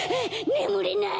ねむれない！